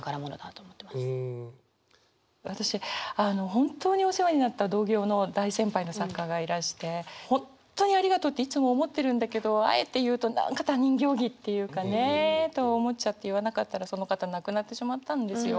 本当にお世話になった同業の大先輩の作家がいらして本当にありがとうっていつも思ってるんだけどあえて言うと何か他人行儀っていうかねと思っちゃって言わなかったらその方亡くなってしまったんですよ。